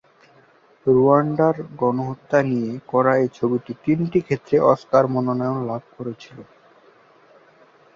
রুয়ান্ডার গণহত্যা নিয়ে করা এই ছবিটি তিনটি ক্ষেত্রে অস্কার মনোনয়ন লাভ করেছিল।